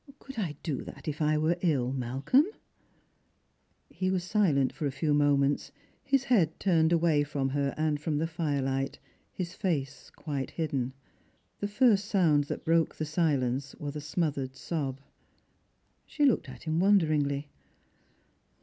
Could I do that if I were ill, Malcolm P " He was silent for a few moments, his head turned away fron. lier and from the firelight, Ms face quite hidden. The first sound that broke that silence was a smothered sob. She looked at him wonderingly.